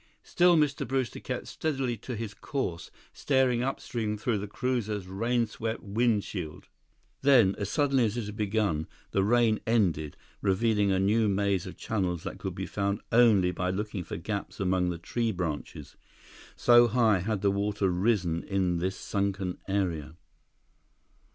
Still Mr. Brewster kept steadily to his course, staring upstream through the cruiser's rainswept windshield. Then, as suddenly as it had begun, the rain ended, revealing a new maze of channels that could be found only by looking for gaps among the tree branches, so high had the water risen in this sunken area.